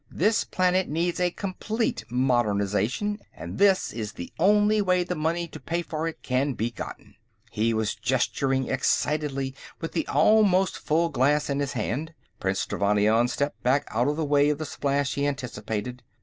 This planet needs a complete modernization, and this is the only way the money to pay for it can be gotten." He was gesturing excitedly with the almost full glass in his hand; Prince Trevannion stepped back out of the way of the splash he anticipated.